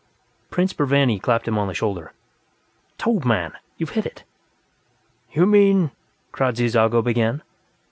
_" Prince Burvanny clapped him on the shoulder. "Tobbh, man! You've hit it!" "You mean...?" Kradzy Zago began.